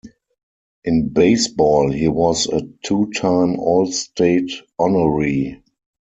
In baseball, he was a two-time All-State honoree.